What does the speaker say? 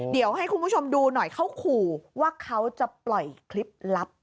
เดี๋ยวให้คุณผู้ชมดูหน่อยเขาขู่ว่าเขาจะปล่อยคลิปลับ